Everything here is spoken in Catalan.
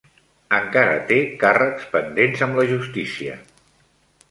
Encara té càrrecs pendents amb la justícia.